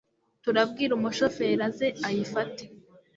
turabwira umushoferi aze ayifate